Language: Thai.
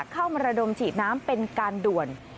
เข้ามาระดมฉีดน้ำเป็นการด่วน